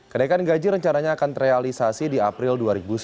kenaikan gaji rencananya akan terrealisasi di april dua ribu sembilan belas